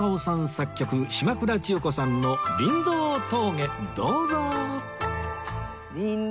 作曲島倉千代子さんの『りんどう峠』どうぞ